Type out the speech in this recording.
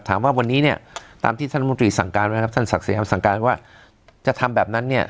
ถามว่าวันนี้เนี่ยตามที่ท่านรัฐมนตรีสั่งการไหมครับท่านศักดิ์ครับสั่งการว่าจะทำแบบนั้นเนี่ย